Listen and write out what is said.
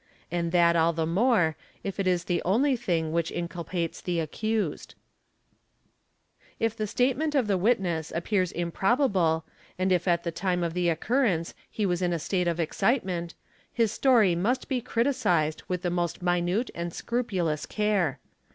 and that all the more, if it is the only thing which inculpates the accused If the statement of the witness appears improbable and if at th time of the occurrence he was in a state of excitement, his story mus be criticised with the most minute and scrupulous care.